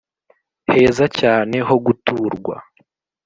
heza cyane ho guturwa